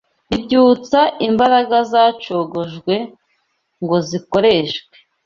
bibyutsa imbaraga zacogojwe ngo zikoreshwe